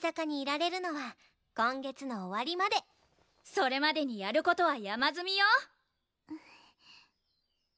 それまでにやる事は山積みよ！